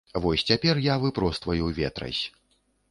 Вось цяпер я выпростваю ветразь.